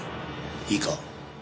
いいか？